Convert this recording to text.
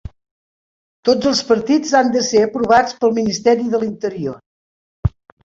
Tots els partits han de ser aprovats pel Ministeri de l'Interior.